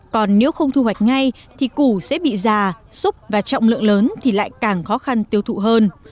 còn nếu không thu hoạch ngay thì củ sẽ bị già xúc và trọng lượng lớn thì lại càng khó khăn tiêu thụ hơn